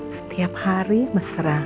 setiap hari mesra